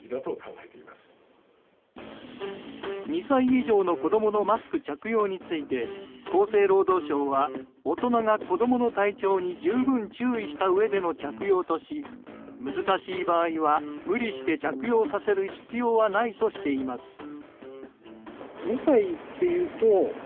２歳以上の子供のマスク着用について厚生労働省は大人が子供の体調に十分注意したうえでの着用とし難しい場合は無理して着用させる必要はないとしています。